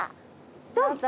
どうぞ。